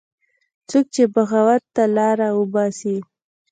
څوک چې بغاوت ته لاره وباسي